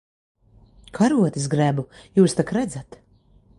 Karotes grebu. Jūs tak redzat.